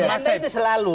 anda itu selalu